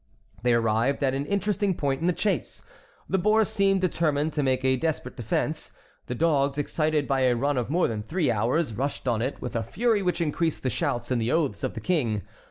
They arrived at an interesting point in the chase. The boar seemed determined to make a desperate defence. The dogs, excited by a run of more than three hours, rushed on it with a fury which increased the shouts and the oaths of the King.